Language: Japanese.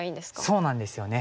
そうなんですよね。